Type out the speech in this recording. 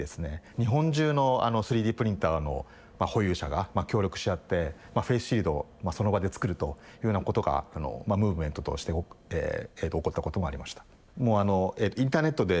日本中の３Ｄプリンターの保有者が協力し合ってフェイスシールドをその場で作るというようなことがムーブメントとして起こったこともありました。